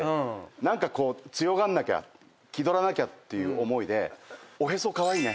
何か強がんなきゃ気取らなきゃっていう思いで。